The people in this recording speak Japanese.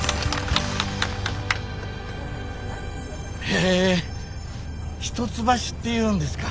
へえ一橋っていうんですか。